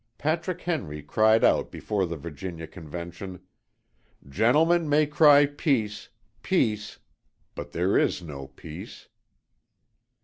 Patrick Henry cried out before the Virginia Convention: "Gentlemen may cry peace, peace, but there is no peace."